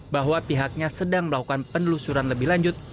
bahwa pihaknya sedang melakukan penelusuran lebih lanjut